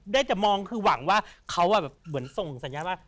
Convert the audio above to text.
ได้แต่มองคือหวังว่าเขาเหมือนส่งสัญญาณว่า